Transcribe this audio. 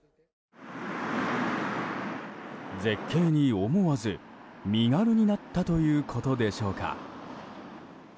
絶景に思わず身軽になったということでしょうか。